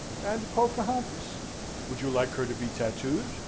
'And Pocahontas would you like her to be tattooed?'